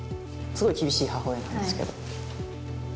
すごい厳しい母親なんですけど。